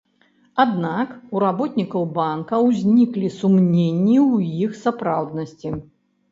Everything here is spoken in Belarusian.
Аднак у работнікаў банка ўзніклі сумненні ў іх сапраўднасці.